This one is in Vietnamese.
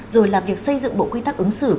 rồi là việc xây dựng bộ quy tắc ứng xử